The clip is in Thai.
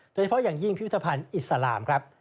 โดยเฉพาะอย่างยิ่งพิพิธภัณฑ์อิสลามครับ